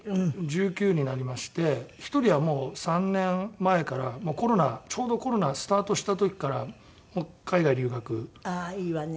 １９になりまして１人はもう３年前からコロナちょうどコロナがスタートした時から海外留学しちゃって。